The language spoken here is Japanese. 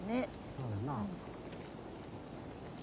そうだな。